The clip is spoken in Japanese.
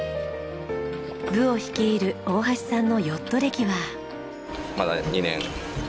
部を率いる大橋さんのヨット歴は。